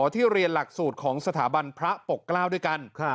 ที่เรียนหลักสูตรของสถาบันพระปกเกล้าด้วยกัน